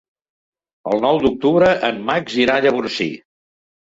El nou d'octubre en Max irà a Llavorsí.